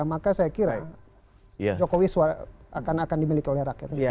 maka saya kira jokowi akan dimiliki oleh rakyat